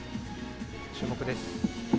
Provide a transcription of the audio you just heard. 注目です。